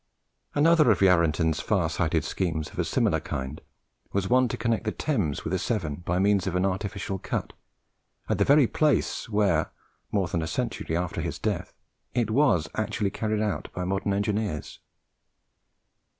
Another of Yarranton's far sighted schemes of a similar kind was one to connect the Thames with the Severn by means of an artificial cut, at the very place where, more than a century after his death, it was actually carried out by modern engineers.